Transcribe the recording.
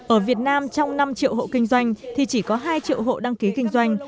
ở việt nam trong năm triệu hộ kinh doanh thì chỉ có hai triệu hộ đăng ký kinh doanh